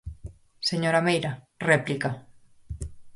Señora Meira, réplica.